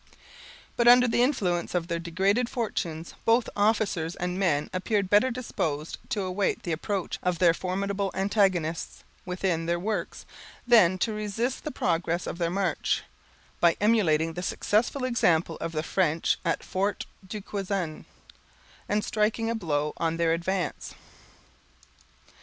But under the influence of their degraded fortunes, both officers and men appeared better disposed to await the approach of their formidable antagonists, within their works, than to resist the progress of their march, by emulating the successful example of the French at Fort du Quesne, and striking a blow on their advance.